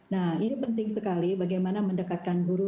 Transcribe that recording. nah ini penting sekali bagaimana mendekatkan guru